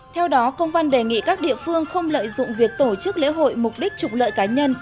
theo đó công văn đề nghị các địa phương không lợi dụng việc tổ chức lễ hội mục đích trục lợi cá nhân